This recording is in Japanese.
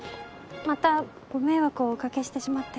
またご迷惑をおかけしてしまって。